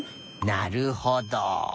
なるほど！